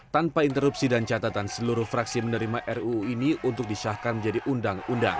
tanpa interupsi dan catatan seluruh fraksi menerima ruu ini untuk disahkan menjadi undang undang